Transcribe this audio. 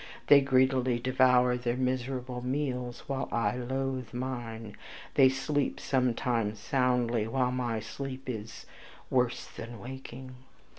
They greedily devour their miserable meals, while I loathe mine. They sleep sometimes soundly, while my sleep is worse than their waking.